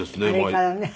あれからね。